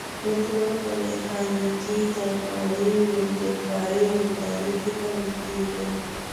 مترونه په میخانیکي، ترکاڼۍ، ولډنګ کارۍ او ودانیو کې کارول کېږي.